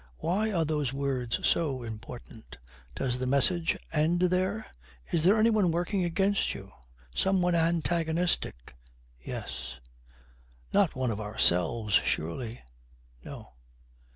Why are those words so important? Does the message end there? Is any one working against you? Some one antagonistic? Yes. Not one of ourselves surely? No.